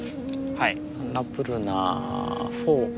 はい。